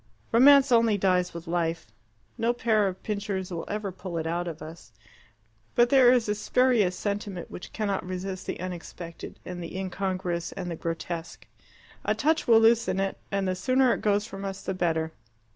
Romance only dies with life. No pair of pincers will ever pull it out of us. But there is a spurious sentiment which cannot resist the unexpected and the incongruous and the grotesque. A touch will loosen it, and the sooner it goes from us the better.